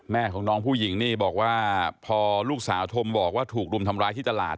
แม่ของน้องผู้หญิงนี่บอกว่าพอลูกสาวโทรมาบอกว่าถูกรุมทำร้ายที่ตลาด